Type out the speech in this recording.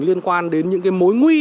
liên quan đến những cái mối nguy